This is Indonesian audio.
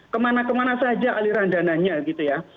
kemana kemana saja aliran dana nya gitu ya